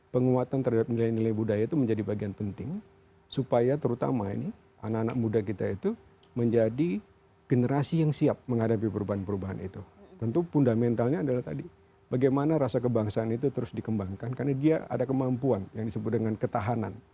penguatan terhadap nilai nilai budaya itu menjadi bagian penting supaya terutama ini anak anak muda kita itu menjadi generasi yang siap menghadapi perubahan perubahan itu tentu fundamentalnya adalah tadi bagaimana rasa kebangsaan itu terus dikembangkan karena dia ada kemampuan yang disebut dengan ketahanan